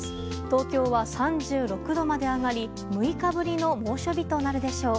東京は３６度まで上がり６日ぶりの猛暑日となるでしょう。